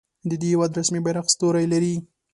د دې هیواد رسمي بیرغ ستوری لري.